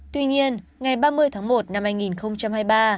tuy nhiên ngày ba mươi tháng một năm hai nghìn hai mươi ba